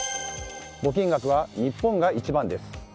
募金額は日本が一番です。